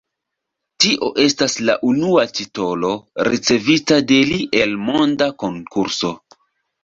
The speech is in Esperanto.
Tio estas la unua titolo, ricevita de li el monda konkurso.